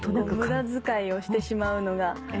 無駄遣いをしてしまうのが。